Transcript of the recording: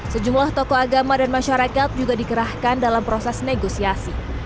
sejumlah tokoh agama dan masyarakat juga dikerahkan dalam proses negosiasi